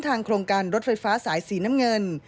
สถานีของเส้นทางโครงการรถไฟฟ้าสายสีน้ำเงิน